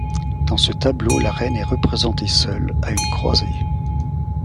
Dans ce tableau, la reine est représentée seule, à une croisée.